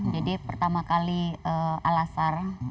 jadi pertama kali alasar